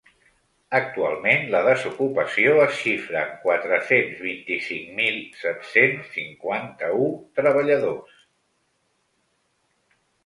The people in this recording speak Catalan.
Actualment la desocupació es xifra en quatre-cents vint-i-cinc mil set-cents cinquanta-u treballadors.